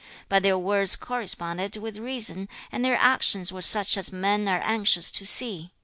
[三節]鼓方叔/ but their words corresponded with reason, and their actions were such as men are anxious to see.